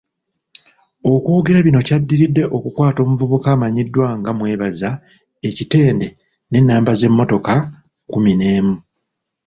Okwogera bino kyadiridde okukwata omuvubuka amanyiddwa nga Mwebaza e Kitenda n'ennamba z'emmotoka kkumi n'emu.